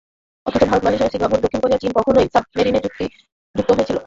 অথচ Bharat, Malaysia, Singapore, দক্ষিণ Korea, চীন তখনই সাবমেরিনে যুক্ত হয়েছিল।